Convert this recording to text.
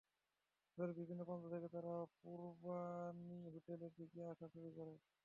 শহরের বিভিন্ন প্রান্ত থেকে তারা পূর্বাণী হোটেলের দিকে আসা শুরু করে।